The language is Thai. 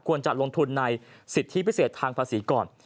จะลงทุนในสิทธิพิเศษทางภาษีก่อน